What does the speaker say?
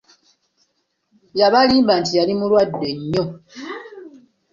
Yabalimba nti yali mulwadde nnyo!